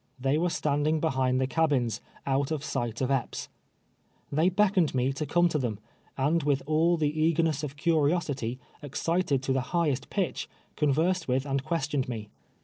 They were standing behind the cabins, out of sight of Epps. Tliey beckoned me to come to them, and with all the eagerness of curiosity, excited to the highest pitch, conversed with and questioned me.